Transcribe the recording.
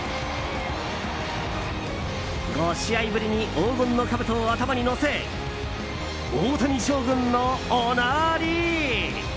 ５試合ぶりに黄金のかぶとを頭に乗せ大谷将軍のおなーり！